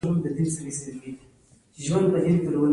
هغوی اسمان څکې ودانۍ او لوی ښارونه جوړ کړل